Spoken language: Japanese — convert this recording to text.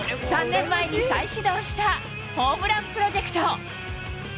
３年前に再始動したホームランプロジェクト。